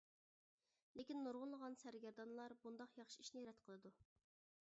لېكىن نۇرغۇنلىغان سەرگەردانلار بۇنداق ياخشى ئىشنى رەت قىلىدۇ.